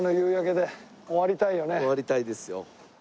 終わりたいですよ。